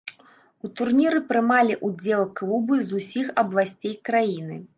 У турніры прымалі ўдзел клубы з усіх абласцей краіны.